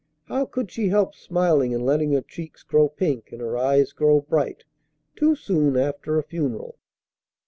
How could she help smiling and letting her cheeks grow pink and her eyes grow bright? Too soon after a funeral?